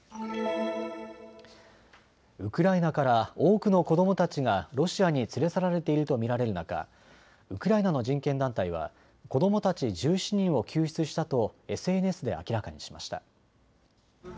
ウクライナから多くの子どもたちがロシアに連れ去られていると見られる中、ウクライナの人権団体は子どもたち１７人を救出したとＳＮＳで明らかにしました。